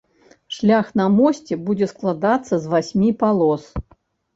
Шлях на мосце будзе складацца з васьмі палос.